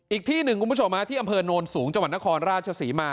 อีกที่๑กลุ่มผู้ชมที่อำเภอโนนสูงจวัดนครราชศรีมา